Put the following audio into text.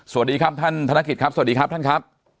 สวัสดีครับท่านธนกิจครับสวัสดีครับท่านครับ